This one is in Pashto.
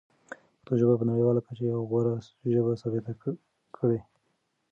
پښتو ژبه په نړیواله کچه یوه غوره ژبه ثابته کړئ.